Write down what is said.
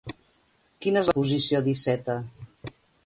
Quina és la posició d'Iceta?